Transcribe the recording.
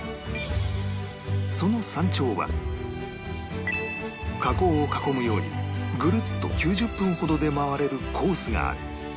その山頂は火口を囲むようにぐるっと９０分ほどで回れるコースがある